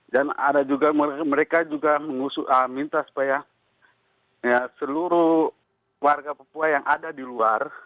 dan ada juga mereka juga minta supaya seluruh warga papua yang ada di luar